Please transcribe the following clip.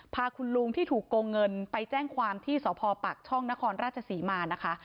พาคุณลุงที่ถูกโกงเงินไปแจ้งความที่สพปากช่องนครราชศรีมานะคะ